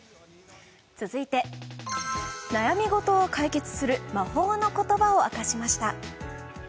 続いて、悩み事を解決する魔法の言葉を明かしました。